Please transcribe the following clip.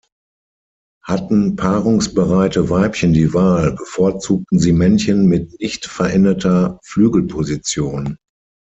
Hatten paarungsbereite Weibchen die Wahl, bevorzugten sie Männchen mit nicht veränderter Flügelposition.